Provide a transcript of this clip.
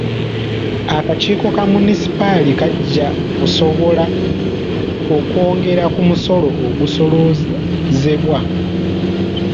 Akakiiko ka Munisipaali kajja kusobola okwongera ku musolo ogusooloozebwa.